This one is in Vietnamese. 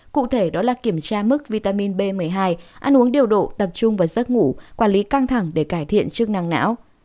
cụ thể đó là kiểm tra mức vitamin b một mươi hai ăn uống điều độ tập trung vào giấc ngủ quản lý căng thẳng để cải thiện chức năng não